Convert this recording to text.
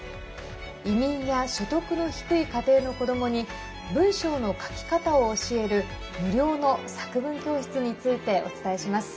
移民や所得の低い家庭の子どもに文章の書き方を教える無料の作文教室についてお伝えします。